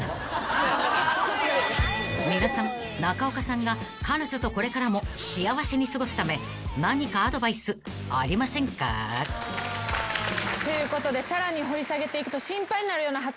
［皆さん中岡さんが彼女とこれからも幸せに過ごすため何かアドバイスありませんか？］ということでさらに掘り下げていくと。